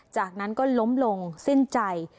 จากนั้นก็ล้มลงสิ้นใจ